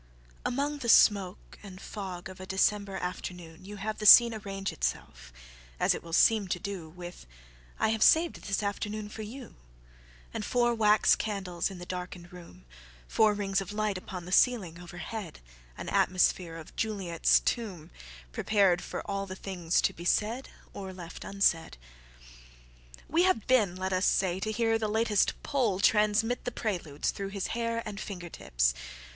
IAMONG the smoke and fog of a December afternoonYou have the scene arrange itself——as it will seem to do—With "I have saved this afternoon for you";And four wax candles in the darkened room, Four rings of light upon the ceiling overhead, An atmosphere of Juliet's tombPrepared for all the things to be said, or left unsaid. We have been, let us say, to hear the latest PoleTransmit the Preludes, through his hair and finger tips.